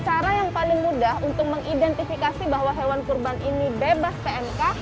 cara yang paling mudah untuk mengidentifikasi bahwa hewan kurban ini bebas pmk